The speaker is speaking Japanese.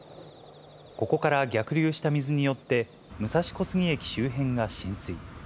ここから逆流した水によって、武蔵小杉駅周辺が浸水。